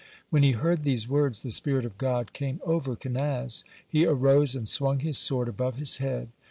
When he heard these words, the spirit of God came over Kenaz. He arose and swung his sword above his head.